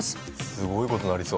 すごい事になりそう。